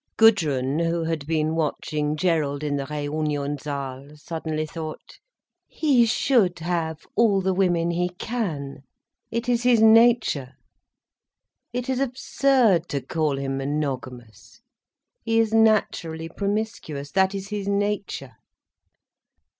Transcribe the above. Gudrun, who had been watching Gerald in the Reunionsaal, suddenly thought: "He should have all the women he can—it is his nature. It is absurd to call him monogamous—he is naturally promiscuous. That is his nature."